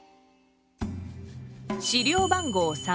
資料番号３。